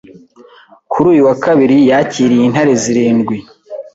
kuri uyu wa kabiri yakiriye intare zirindwi